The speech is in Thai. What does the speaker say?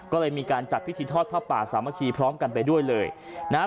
ก็เลยมีการจัดพิธีทอดผ้าป่าสามัคคีพร้อมกันไปด้วยเลยนะฮะ